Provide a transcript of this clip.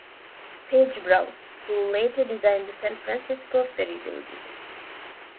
Page Brown, who later designed the San Francisco Ferry Building.